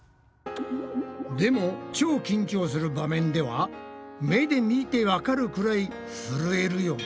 でも超緊張する場面では目で見てわかるくらいふるえるよな？